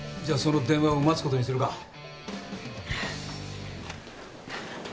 じゃあその電話を待つことにするか。